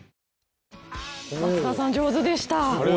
松田さん、上手でした。